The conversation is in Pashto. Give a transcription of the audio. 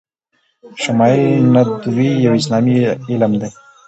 شمایل ندوی یو اسلامي علم ده